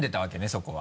そこは。